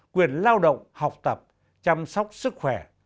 quyền lao động học tập chăm sóc sức khỏe